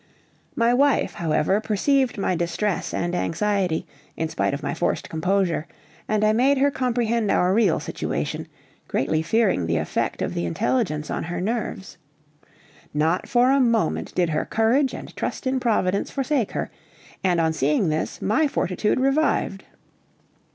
My wife, however, perceived my distress and anxiety, in spite of my forced composure, and I made her comprehend our real situation, greatly fearing the effect of the intelligence on her nerves. Not for a moment did her courage and trust in Providence forsake her, and on seeing this, my fortitude revived.